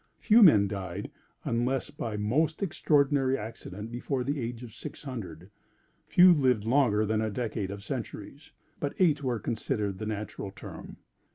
Few men died, unless by most extraordinary accident, before the age of six hundred; few lived longer than a decade of centuries; but eight were considered the natural term.